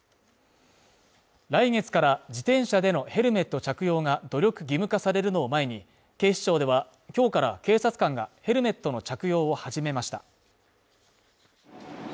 来月から自転車でのヘルメット着用が努力義務化されるのを前に、警視庁では今日から警察官がヘルメットの着用を始めました。